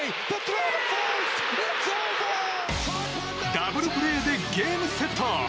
ダブルプレーでゲームセット。